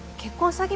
詐欺。